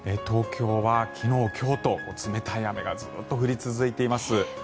東京は昨日、今日と冷たい雨がずっと降り続いています。